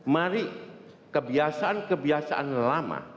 mari kebiasaan kebiasaan lama